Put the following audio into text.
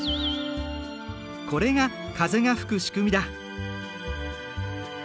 これが風が吹く仕組みだ。